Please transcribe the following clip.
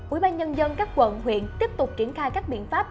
ủy ban nhân dân các quận huyện tiếp tục triển khai các biện pháp